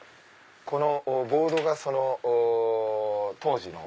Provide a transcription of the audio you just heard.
このボードがその当時の。